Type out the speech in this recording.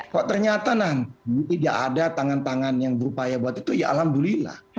kok ternyata nanti tidak ada tangan tangan yang berupaya buat itu ya alhamdulillah